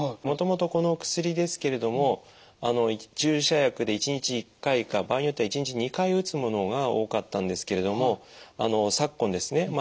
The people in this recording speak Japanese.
もともとこの薬ですけれども注射薬で１日１回か場合によっては１日２回打つものが多かったんですけれども昨今ですね